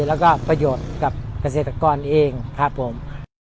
แล้วก็ประโยชน์กับเกษตรกรเองครับผม